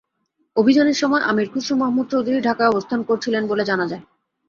অভিযানের সময় আমীর খসরু মাহমুদ চৌধুরী ঢাকায় অবস্থান করছিলেন বলে জানা গেছে।